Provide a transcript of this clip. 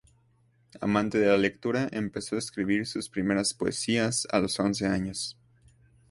Amante de la lectura, empezó a escribir sus primeras poesías a los once años.